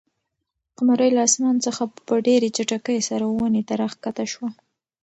قمرۍ له اسمانه څخه په ډېرې چټکۍ سره ونې ته راښکته شوه.